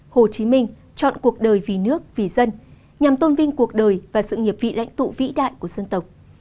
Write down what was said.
hồ chí minh chọn cuộc đời vì nước vì dân nhằm tôn vinh cuộc đời và sự nghiệp vị lãnh tụ vĩ đại của dân tộc